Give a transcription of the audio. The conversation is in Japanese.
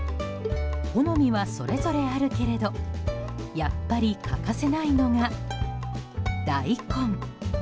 好みは、それぞれあるけれどやっぱり欠かせないのが大根。